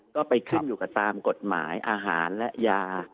ก็ไปขึ้นอยู่กับตามกฎหมายอาหารและยา